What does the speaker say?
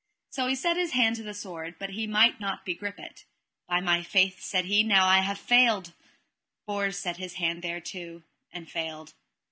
So he set his hand to the sword, but he might not begrip it. By my faith, said he, now have I failed. Bors set his hand thereto and failed.